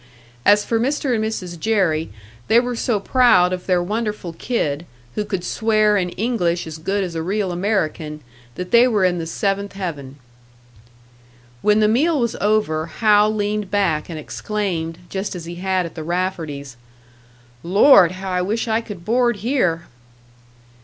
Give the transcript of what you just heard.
As for Mr. and Mrs. Jerry, they were so proud of their wonderful kid, who could swear in English as good as a real American, that they were in the seventh heaven. When the meal was over, Hal leaned back and exclaimed, just as he had at the Rafferties', "Lord, how I wish I could board here!"